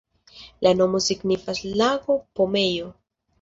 La nomo signifas lago-pomejo.